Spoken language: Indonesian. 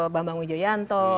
bambang wijo yanto